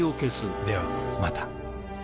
ではまた。